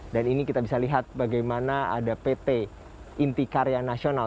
dan ini kita bisa lihat bagaimana ada pt inti karya nasional